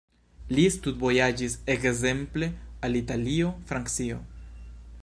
Li studvojaĝis ekzemple al Italio, Francio.